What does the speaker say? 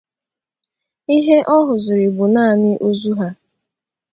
ihe ọ hụziri bụ nanị ozu ha.